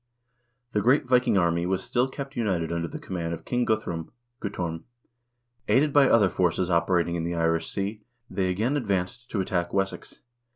The great Viking army was still kept united under the command of King Guthrum (Guttorm). Aided by other forces operating in the Irish Sea, they again advanced to attack Wessex.